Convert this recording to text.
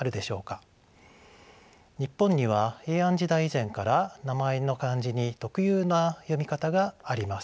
日本には平安時代以前から名前の漢字に特有な読み方があります。